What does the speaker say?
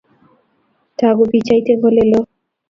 Toku pichait eng Ole loo